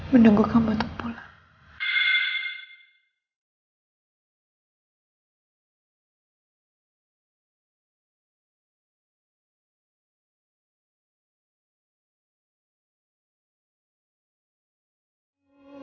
menunggu kamu untuk pulang